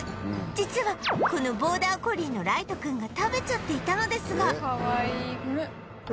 実はこのボーダー・コリーのライトくんが食べちゃっていたのですが